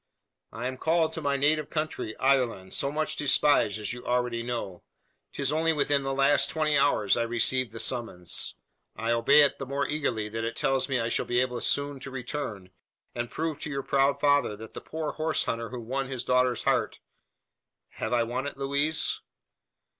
"I am called to my native country Ireland, so much despised, as you already know. 'Tis only within the last twenty hours I received the summons. I obey it the more eagerly, that it tells me I shall be able soon to return, and prove to your proud father that the poor horse hunter who won his daughter's heart have I won it, Louise?"